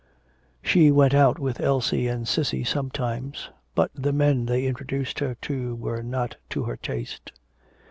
She went out with Elsie and Cissy sometimes, but the men they introduced her to were not to her taste.